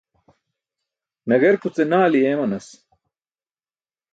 Nagerkuce naali eemanas.